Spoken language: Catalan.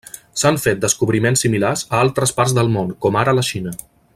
S'han fet descobriments similars a altres parts del món, com ara la Xina.